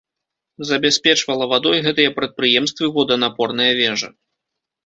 Забяспечвала вадой гэтыя прадпрыемствы воданапорная вежа.